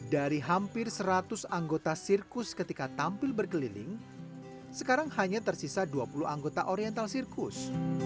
dari hampir seratus anggota sirkus ketika tampil berkeliling sekarang hanya tersisa dua puluh anggota oriental sirkus